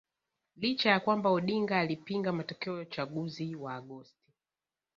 licha ya kwamba Odinga alipinga matokeo ya uchaguzi wa Agosti